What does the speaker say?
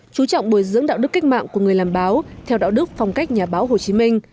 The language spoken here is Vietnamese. chú trọng bồi dưỡng đạo đức cách mạng của người làm báo theo đạo đức phong cách nhà báo hồ chí minh